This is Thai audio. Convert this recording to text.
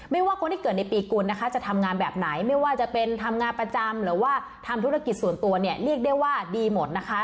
ว่าคนที่เกิดในปีกุลนะคะจะทำงานแบบไหนไม่ว่าจะเป็นทำงานประจำหรือว่าทำธุรกิจส่วนตัวเนี่ยเรียกได้ว่าดีหมดนะคะ